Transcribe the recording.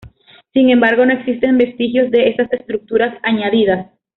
Sin embargo no existen vestigios de esas estructuras añadidas.